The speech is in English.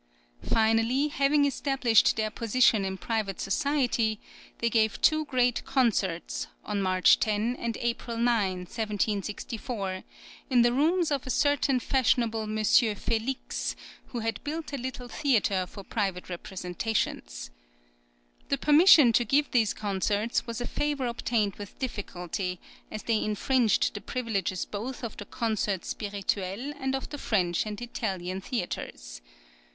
Finally, having established their (36) {EARLY JOURNEYS.} position in private society they gave two great concerts (on March 10 and April 9, 1764) in the rooms of a certain fashionable M. Felix, who had built a little theatre for private representations. The permission to give these concerts was a favour obtained with difficulty, as they infringed the privileges both of the Concert Spirituel and of the French and Italian theatres.